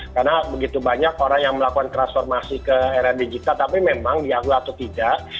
karena begitu banyak orang yang melakukan transformasi ke era digital tapi memang diakui atau tidak